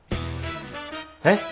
えっ？